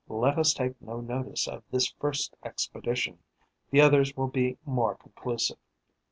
Let us take no notice of this first expedition; the others will be more conclusive.